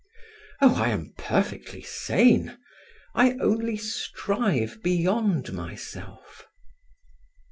Oh, I am perfectly sane; I only strive beyond myself!"